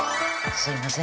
すいません